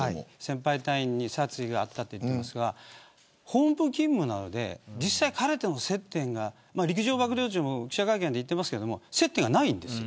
先輩隊員に殺意があったと言ってますが本部勤務なので実際に彼との接点が陸上幕僚長も記者会見で言ってますが接点がないんです。